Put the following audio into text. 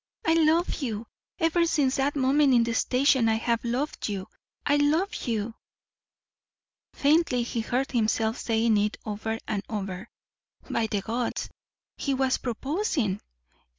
I love you! Ever since that moment in the station I have loved you! I love you!" Faintly he heard himself saying it over and over. By the gods, he was proposing!